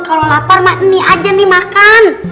kalau lapar nih aja nih makan